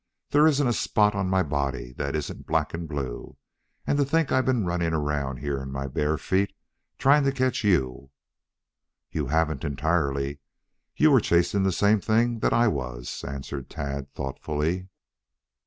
There isn't a spot on my body that isn't black and blue. And to think I've been running around here in my bare feet trying to catch you " "You haven't entirely. You were chasing the same thing that I was," answered Tad thoughtfully.